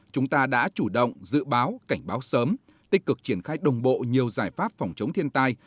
chúng ta đã chủ động dự báo cảnh báo sớm tích cực triển khai đồng bộ nhiều giải pháp phòng chống thiên tai